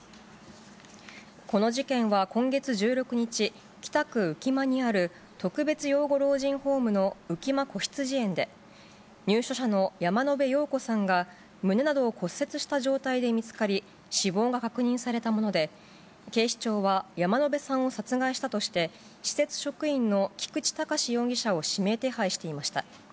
この事件は今月１６日、北区浮間にある特別養護老人ホームの浮間こひつじ園で、入所者の山野辺陽子さんが胸などを骨折した状態で見つかり、死亡が確認されたもので、警視庁は山野辺さんを殺害したとして、施設職員の菊池隆容疑者を指名手配していました。